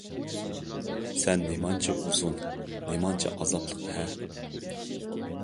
سەن نېمانچە ئۇزۇن، نېمانچە ئازابلىق- ھە؟!